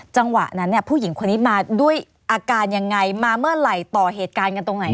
จังหวะนั้นเนี่ยผู้หญิงคนนี้มาด้วยอาการยังไงมาเมื่อไหร่ต่อเหตุการณ์กันตรงไหน